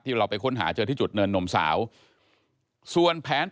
ที่เราไปค้นหาเจอที่จุดเนินนมสาว